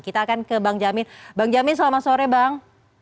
kita akan ke bang jamin bang jamin selamat sore bang